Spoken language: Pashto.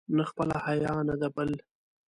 نه خپله حیا، نه د بل.